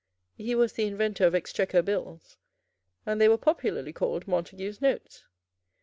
He was the inventor of Exchequer Bills; and they were popularly called Montague's notes.